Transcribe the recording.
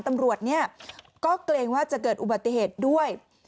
ตำรวจเนี่ยก็เกรงว่าจะเกิดอุบัติเหตุด้วย